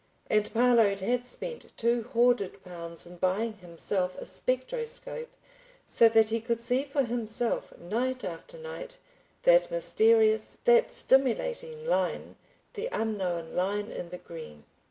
And Parload had spent two hoarded pounds in buying himself a spectroscope, so that he could see for himself, night after night, that mysterious, that stimulating line—the unknown line in the green.